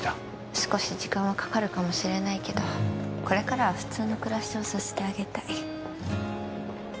少し時間はかかるかもしれないけどこれからは普通の暮らしをさせてあげたい